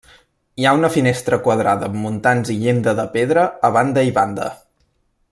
Hi ha una finestra quadrada amb muntants i llinda de pedra a banda i banda.